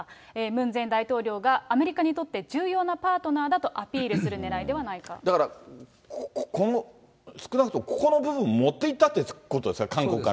ムン前大統領がアメリカにとって重要なパートナーだとアピールすだから、少なくともここの部分、持っていったってことですか？